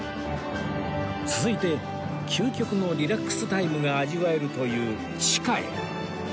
続いて究極のリラックスタイムが味わえるという地下へ